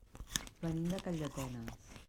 Venim de Calldetenes.